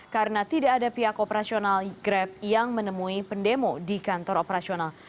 karena tidak ada pihak operasional grab yang menemui pendemo di kantor operasional